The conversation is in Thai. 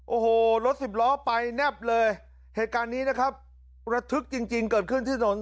โอ้โหรถสิบล้อไปแนบเลยเหตุการณ์นี้นะครับระทึกจริงจริงเกิดขึ้นที่ถนน